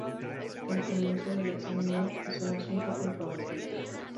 El comienzo del "Examiner" es un asunto controvertido.